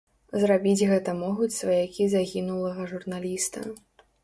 Зрабіць гэта могуць сваякі загінулага журналіста.